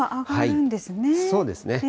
そうですね。